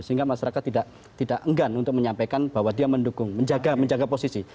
sehingga masyarakat tidak enggan untuk menyampaikan bahwa dia mendukung menjaga posisi